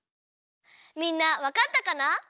みんなわかったかな？